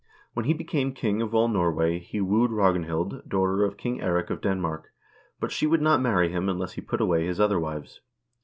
When he became king of all Norway, he wooed Ragnhild, daughter of King Eirik of Denmark, but she would not marry him unless he put away his other wives.